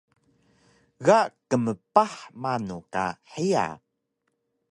Ga qmpah manu ka hiya?